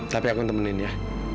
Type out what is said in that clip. tapi aku temenin ya